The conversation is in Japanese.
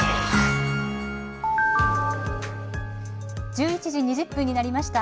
１１時２０分になりました。